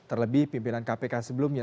terlebih pimpinan kpk sebelumnya